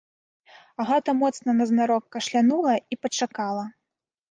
Агата моцна назнарок кашлянула і пачакала.